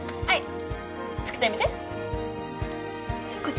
はい。